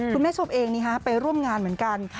คุณแม่ชมเองนี่ฮะไปร่วมงานเหมือนกัน